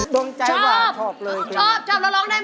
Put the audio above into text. ดมใจหวาดชอบเลยคือนะชอบชอบชอบแล้วร้องได้ไหม